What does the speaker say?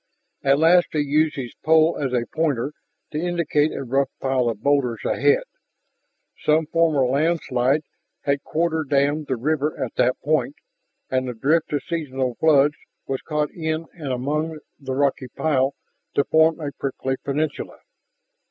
At last he used his pole as a pointer to indicate a rough pile of boulders ahead. Some former landslide had quarter dammed the river at that point, and the drift of seasonal floods was caught in and among the rocky pile to form a prickly peninsula.